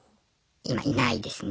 今いないですね。